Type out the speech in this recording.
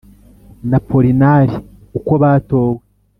n’apolinari uko batowe